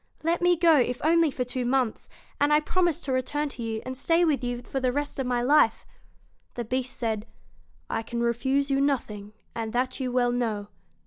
Let me go, if only for two months, and I promise to return to you, and stay with you the rest of my life.' The Beast said: 'I can refuse you nothing, and that you well know.